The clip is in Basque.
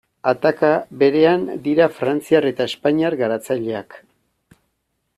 Ataka berean dira frantziar eta espainiar garatzaileak.